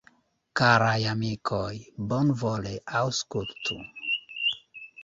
Karaj amikoj, bonvole aŭskultu!